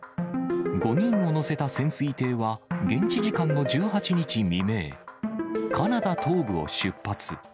５人を乗せた潜水艇は、現地時間の１８日未明、カナダ東部を出発。